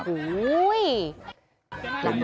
เป็นยังไง